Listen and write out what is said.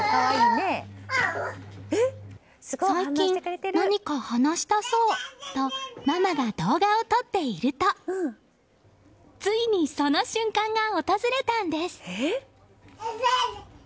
最近、何か話したそうとママが動画を撮っているとついにその瞬間が訪れたんです。